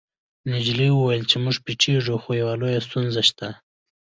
نجلۍ وویل چې موږ پټیږو خو یوه لویه ستونزه شته